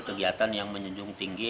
kegiatan yang menjunjung tinggi